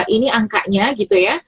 ini angkanya gitu ya